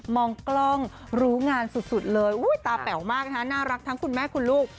มองกล้องรู้งานสุดเลยตาเป๋อมากน่ารัก